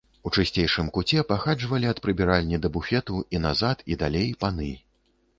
У чысцейшым куце пахаджвалі ад прыбіральні да буфету, і назад, і далей, паны.